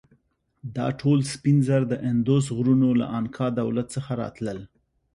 دا ټول سپین زر د اندوس غرونو له انکا دولت څخه راتلل.